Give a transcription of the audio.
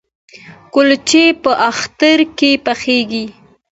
کلچې په اختر کې پخیږي؟